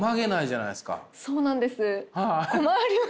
そうなんです。